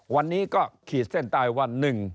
วันนี้ก็ขีดเส้นใต้ว่า